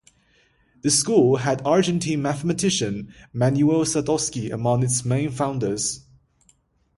The school had Argentine mathematician Manuel Sadosky among its main founders.